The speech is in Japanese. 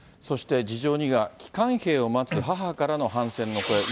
そして、事情２が、帰還兵を待つ母からの反戦の声。